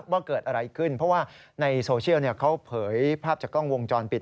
ว่าเกิดอะไรขึ้นเพราะว่าในโซเชียลเขาเผยภาพจากกล้องวงจรปิด